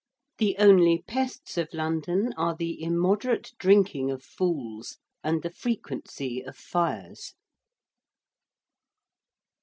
The only pests of London are the immoderate drinking of fools and the frequency of fires.'